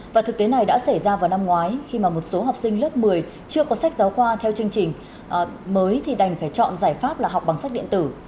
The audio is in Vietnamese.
và thực tế này đã xảy ra vào năm ngoái khi mà một số học sinh lớp một mươi chưa có sách giáo khoa theo chương trình mới thì đành phải chọn giải pháp là học bằng sách điện tử